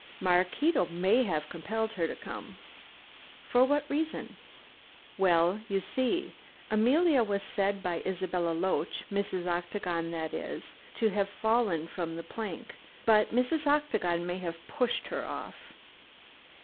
"Maraquito may have compelled her to come." "For what reason?" "Well, you see, Emilia was said by Isabella Loach Mrs. Octagon that is to have fallen from the plank. But Mrs. Octagon may have pushed her off."